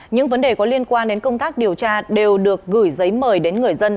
những vấn đề có liên quan đến công tác điều tra đều được gửi giấy mời đến người dân